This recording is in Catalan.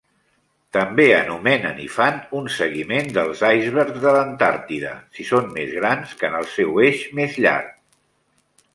També anomenen i fan un seguiment dels icebergs de l'Antàrtida si són més grans que en el seu eix més llarg.